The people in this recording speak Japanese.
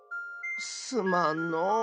すまんのう。